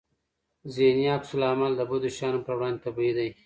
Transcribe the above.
ذهني عکس العمل د بدو شیانو پر وړاندې طبيعي دی.